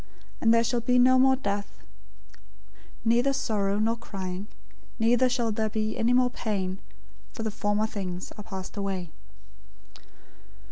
And there shall be no more death; neither sorrow, nor crying, neither shall there be any more pain: for the former things are passed away."